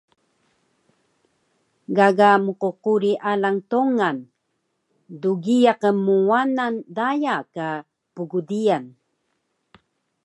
Gaga mqquri alang Tongan dgiyaq Mwanan daya ka Pgdiyan